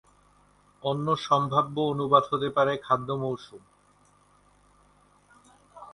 অন্য সম্ভাব্য অনুবাদ হতে পারে "খাদ্য মৌসুম"।